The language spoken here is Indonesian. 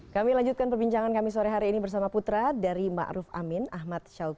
kami lanjutkan perbincangan kami sore hari ini bersama putra dari ma'ruf amin ahmad syawki gu shauki